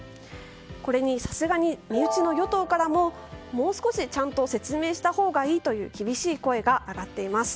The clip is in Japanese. これにはさすがに身内の与党からももう少しちゃんと説明したほうがいいという厳しい声が上がっています。